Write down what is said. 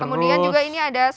kemudian juga ini ada